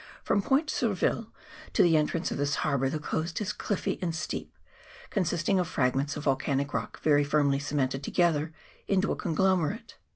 From Point Surville to the entrance of this harbour the coast is cliffy and steep, consisting of fragments of volcanic rock very firmly cemented together into a conglomerate.